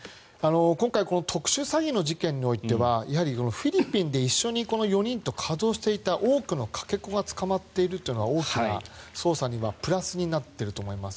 今回この特殊詐欺の事件においてはやはりフィリピンでこの４人と一緒に行動していた多くのかけ子が捕まっているというのが捜査には大きなプラスになっていると思います。